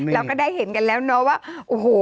เราก็ได้เห็นกันแล้วเนาะว่าโอ้โห